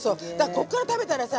こっから食べたらね。